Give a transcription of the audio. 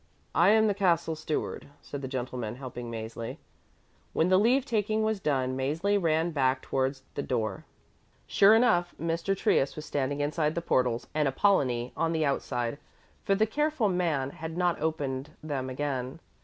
"I am the Castle Steward," said the gentleman, helping Mäzli. When the leave taking was done Mäzli ran back towards the door. Sure enough, Mr. Trius was standing inside the portals and Apollonie on the outside, for the careful man had not opened them again.